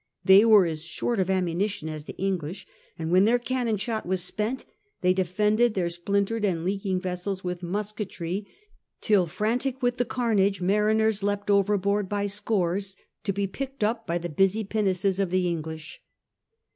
They were as short of ammunition as the English, but when their cannon shot were spent they defended their splintered and leaking vessels with musketry, till frantic with the carnage mariners leapt overboard by scores to be picked up by the busy pinnaces of the English.